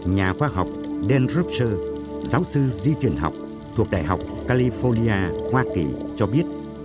nhà khoa học dan rupcher giáo sư di tuyển học thuộc đại học california hoa kỳ cho biết